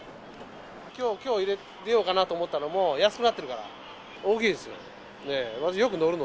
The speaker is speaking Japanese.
きょう入れようかなと思ったのも安くなっているから、大きいですよ。